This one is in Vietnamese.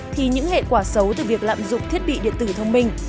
thì những hệ quả xấu từ việc lạm dụng thiết bị điện tử thông minh